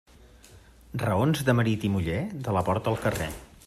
Raons de marit i muller, de la porta al carrer.